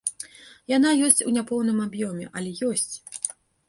Яна ёсць у няпоўным аб'ёме, але ёсць.